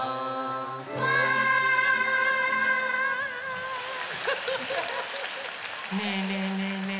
「ふわー」ねえねえねえねえ。